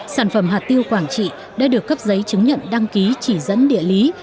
sản phẩm hạt tiêu quảng trị đã được cấp giấy chứng nhận đăng ký chỉ dẫn địa lý